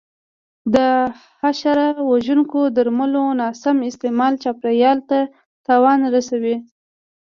د حشره وژونکو درملو ناسم استعمال چاپېریال ته تاوان رسوي.